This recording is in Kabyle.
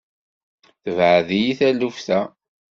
Tebɛed-iyi taluft-a.